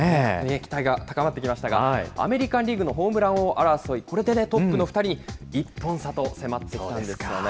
期待が高まってきましたが、アメリカンリーグのホームラン王争い、これでトップの２人に１本差と迫ってきたんですよね。